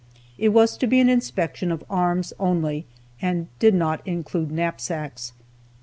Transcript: It was to be an inspection of arms only, and did not include knapsacks.